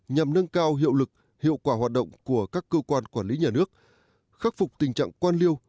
nhằm nâng cao hiệu lực hiệu quả hoạt động của các cơ quan quản lý nhà nước khắc phục tình trạng quan liêu